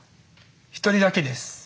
一人だけです。